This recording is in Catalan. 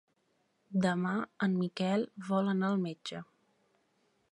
Demà en Miquel vol anar al metge.